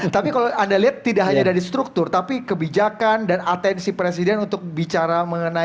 tapi kalau anda lihat tidak hanya dari struktur tapi kebijakan dan atensi presiden untuk bicara mengenai